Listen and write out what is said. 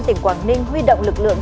tỉnh quảng ninh huy động lực lượng